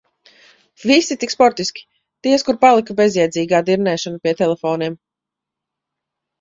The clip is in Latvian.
Visi tik sportiski, diez kur palika bezjēdzīgā dirnēšana pie telefoniem.